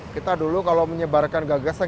kita dulu kalau menyebarkan gagasan